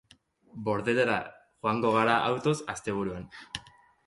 Bordelera joango gara autoz asteburuan.